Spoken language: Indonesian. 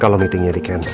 kalau meetingnya di cancel